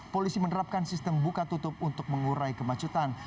polisi menerapkan sistem buka tutup untuk mengurai kemacetan